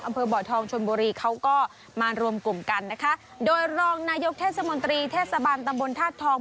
อำเภอบ่อทองชนบุรีเขาก็มารวมกลุ่มกันนะคะโดยรองนายกเทศมนตรีเทศบาลตำบลธาตุทอง